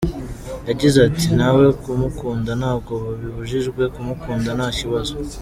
Yagize ati : ”Nawe kumukunda ntabwo bibujijwe, kumukunda nta kibazo.